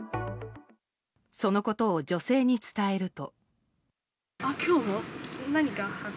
そのことを女性に伝えると。